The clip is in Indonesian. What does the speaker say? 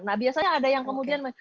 nah biasanya ada yang kemudian